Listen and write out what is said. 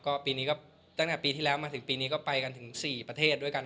ก็ปีนี้ก็ตั้งแต่ปีที่แล้วมาถึงปีนี้ก็ไปกันถึง๔ประเทศด้วยกัน